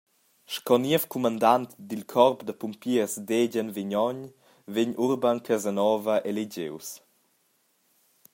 Sco niev cumandant dil corp da pumpiers Degen-Vignogn vegn Urban Casanova eligius.